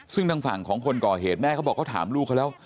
ซึ่งทางฝั่งของคนก่อเหตุแม่เขาบอกเขาถามลูกเขาแล้ว